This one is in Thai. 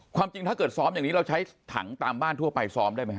จริงถ้าเกิดซ้อมอย่างนี้เราใช้ถังตามบ้านทั่วไปซ้อมได้ไหมฮ